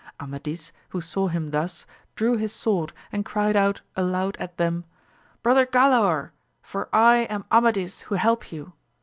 Amadis, who saw him thus, drew his sword and cried out aloud at them, brother Galaor 1 for I am Amadis who help you.